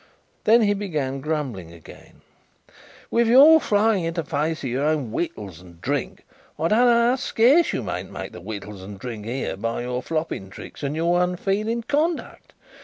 Then he began grumbling again: "With your flying into the face of your own wittles and drink! I don't know how scarce you mayn't make the wittles and drink here, by your flopping tricks and your unfeeling conduct.